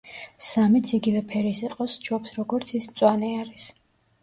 სამიც იგივე ფერი იყოს სჯობს, როგორც ის მწვანე არის.